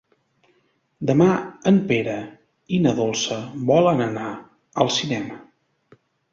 Demà en Pere i na Dolça volen anar al cinema.